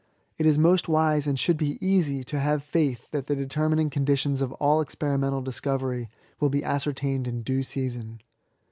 It is most wise, and should be easy, to have faith that the determining conditipns of all experimental disco very will be ascertained in due season.